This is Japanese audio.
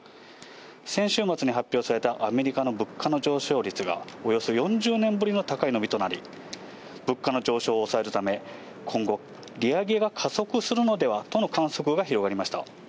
先週末に発表されたアメリカの物価の上昇率がおよそ４０年ぶりの高い伸びとなり、物価の上昇を抑えるため、今後、利上げが加速するのではとの観測が広がりました。